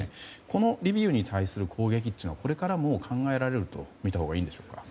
このリビウに対する攻撃はこれからも考えられると見たほうがよいのでしょうか？